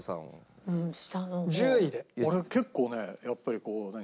俺は結構ねやっぱりこう何？